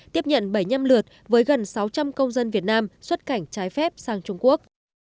tiếp nhận bảy mươi năm lượt với gần sáu trăm linh công dân việt nam xuất cảnh trái phép sang trung quốc